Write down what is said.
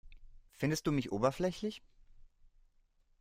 Findest du mich oberflächlich?